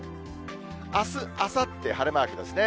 あす、あさって晴れマークですね。